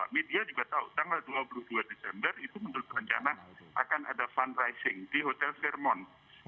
media juga tahu tanggal dua puluh dua desember itu menurut rencana akan ada fundraising di hotel fairmont